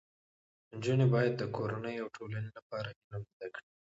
نجونې باید د کورنۍ او ټولنې لپاره علم زده کړي.